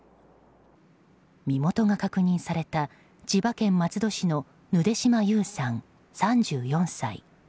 身元が確認された千葉県松戸市のヌデシマ・ユウさん、３４歳。